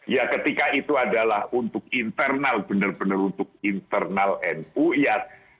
ya ketika itu adalah untuk internal benar benar untuk internal nu ya